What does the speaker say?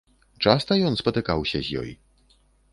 Часта ён спатыкаўся з ёй?